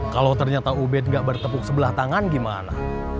kalau ternyata ubed nggak bertepuk sebelah tangan gimana